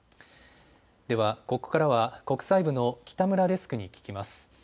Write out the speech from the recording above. では、ここからは国際部の北村デスクに聞きます。